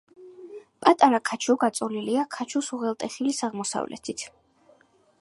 პატარა ქაჩუ გაწოლილია ქაჩუს უღელტეხილის აღმოსავლეთით.